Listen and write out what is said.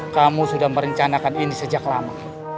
kamu sudah merencanakan ini sejak lama